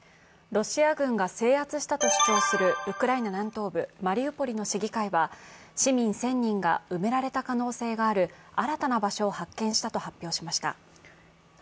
ロシア軍が制圧したと主張するウクライナ南東部マリウポリの市議会は市民１０００人が埋められた可能性がある新たな場所を発見したと発表しました。